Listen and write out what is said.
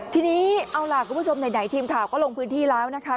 ทีนี้เอาล่ะคุณผู้ชมไหนทีมข่าวก็ลงพื้นที่แล้วนะคะ